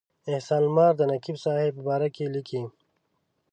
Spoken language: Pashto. احسان لمر د نقیب صاحب په باره کې لیکي.